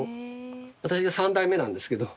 私が３代目なんですけど。